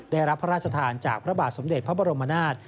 ได้รับพระราชทานจากพระบาทสมเด็จพระบรมนาศ